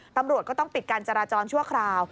ตำรวจก็ต้องปิดการจราจรชั่วคราว